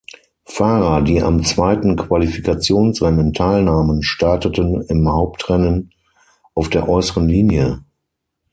Fahrer, die am zweiten Qualifikationsrennen teilnahmen, starteten im Hauptrennen auf der äußeren Linie.